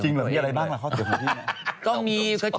จริงเหรอมีอะไรบ้างล่ะข้อเสียของพี่น่ะ